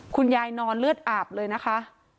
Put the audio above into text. นอนเลือดอาบเลยนะคะ